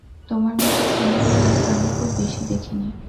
তোমার মতো সুন্দরী মেয়ে আমি খুব বেশি দেখি নি।